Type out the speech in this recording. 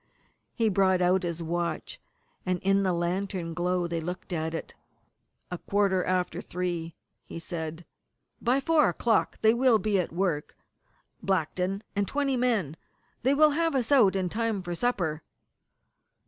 He brought out his watch, and in the lantern glow they looked at it. "A quarter after three," he said. "By four o'clock they will be at work Blackton and twenty men. They will have us out in time for supper."